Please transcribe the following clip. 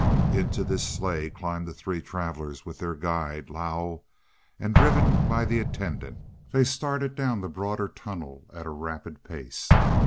Into this sleigh climbed the three travelers with their guide Lao; and, driven by the attendant, they started down the broader tunnel at a rapid pace.